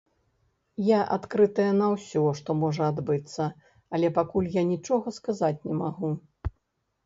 Я адкрытая на ўсё, што можа адбыцца, але пакуль я нічога сказаць не магу.